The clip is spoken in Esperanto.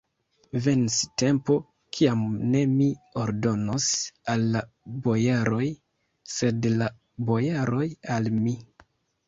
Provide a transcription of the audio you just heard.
Venis tempo, kiam ne mi ordonos al la bojaroj, sed la bojaroj al mi!